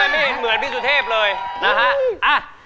ไม่เหมือนพี่สุเทพเลยนะฮะ